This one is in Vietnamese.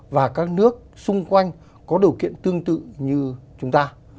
và các nước xung quanh có điều kiện tương tự như chúng ta